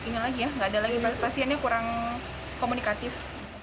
nggak ada lagi pasiennya kurang komunikatif